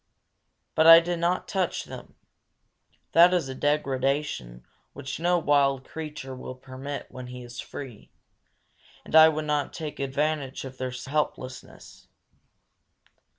But I did not touch them. That is a degradation which no wild creature will permit when he is free; and I would not take advantage of their helplessness.